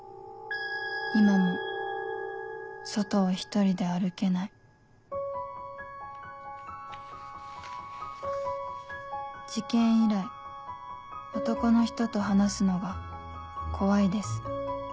「今も外を一人で歩けない」「事件以来男の人と話すのが怖いです」